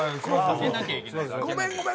ごめんごめん。